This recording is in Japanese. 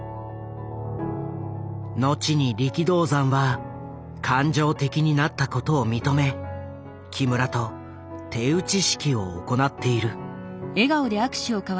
後に力道山は感情的になったことを認め木村と手打ち式を行っている。